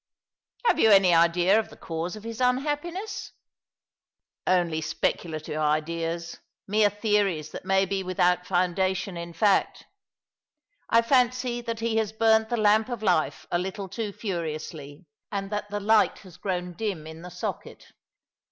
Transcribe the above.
" Have you any idea of the cause of his unhappiness ?"" Only speculative ideas — mere theories that may be without foundation in fact. I fancy that he has burnt the lamp of life a little too furiously, and that the light has grown dim in the socket.